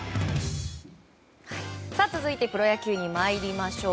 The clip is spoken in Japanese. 続いてプロ野球に参りましょう。